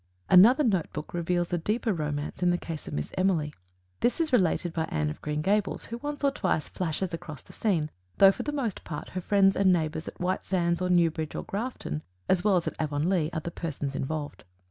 Another note book reveals a deeper romance in the case of Miss Emily; this is related by Anne of Green Gables, who once or twice flashes across the scene, though for the most part her friends and neighbors at White Sands or Newbridge or Grafton as well as at Avonlea are the persons involved.